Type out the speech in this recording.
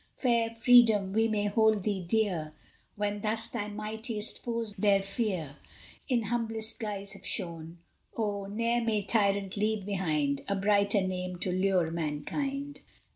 Fair Freedom! we may hold thee dear, When thus thy mightiest foes their fear In humblest guise have shown. Oh! ne'er may tyrant leave behind A brighter name to lure mankind!